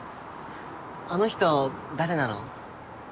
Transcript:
あの人誰なの？